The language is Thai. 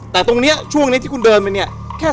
แต่ตรงนี้ช่วงนี้ที่คุณเดินไปเนี่ย